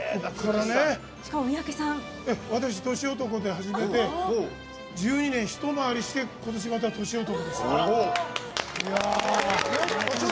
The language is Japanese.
私、年男で始めて１２年一回りして今年また年男です。